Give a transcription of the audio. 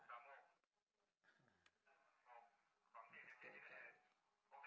ประมาณ๓๐ชั่วโมง